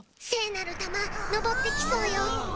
せいなるたまのぼってきそうよ。